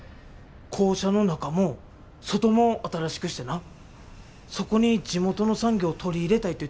校舎の中も外も新しくしてなそこに地元の産業取り入れたいって言って。